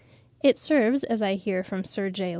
It serves, as I hear from Sir J.